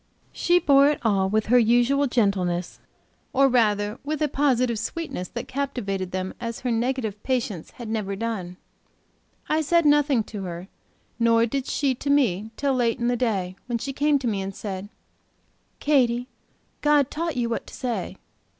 She bore it all with her usual gentleness; or rather with a positive sweetness that captivated them as her negative patience had never done. I said nothing to her, nor did she to me till late in the day, when she came to me, and said: "Katy, God taught you what to say.